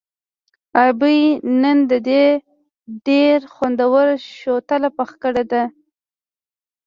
ابۍ نن دې ډېره خوندوره شوتله پخه کړې ده.